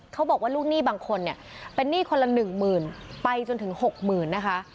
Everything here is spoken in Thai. เขาบอกว่าลูกหนี้บางคนเนี่ยเป็นหนี้คนละหนึ่งหมื่นไปจนถึงหกหมื่นนะคะ